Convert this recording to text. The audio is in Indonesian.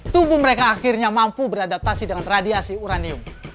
tubuh mereka akhirnya mampu beradaptasi dengan radiasi uranium